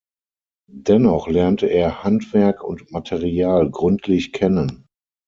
Dennoch lernte er Handwerk und Material gründlich kennen.